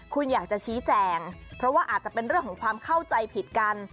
คุณอยากจะชี้แจงเพราะว่าอาจจะเป็นเรื่องของความเข้าใจผิดกัน